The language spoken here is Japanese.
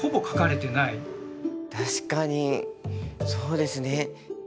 確かにそうですね。